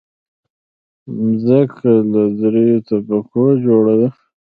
مځکه له دریو طبقو جوړه ده.